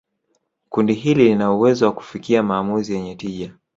kundi hili lina uwezo wa kufikia maamuzi yenye tija